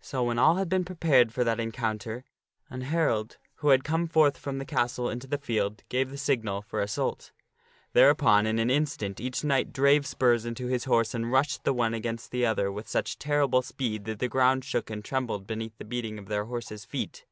So when all had been prepared for that encounter, an herald, who had come forth from the castle into the field, give the signal for assault. Thereupon in an instant, each knight drave spurs into his horse and rushed the one against the other, with such terrible speed that the ground shook and trembled beneath the beating of their horses' feet.